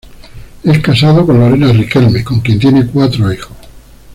Es casado con Lorena Riquelme, con quien tiene cuatro hijos.